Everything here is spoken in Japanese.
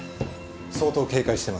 相当警戒しています。